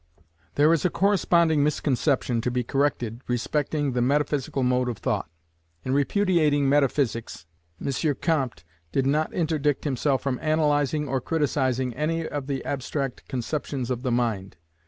There is a corresponding misconception to be corrected respecting the Metaphysical mode of thought. In repudiating metaphysics, M. Comte did not interdict himself from analysing or criticising any of the abstract conceptions of the mind.